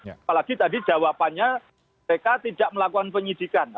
apalagi tadi jawabannya mereka tidak melakukan penyidikan